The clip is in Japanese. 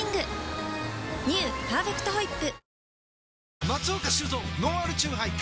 「パーフェクトホイップ」